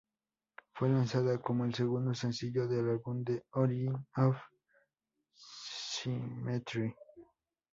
Fue lanzada como el segundo sencillo del álbum "Origin of Symmetry".